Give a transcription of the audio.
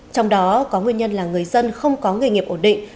trong đó có nguyên nhân là người dân không có nghề nghiệp ổn định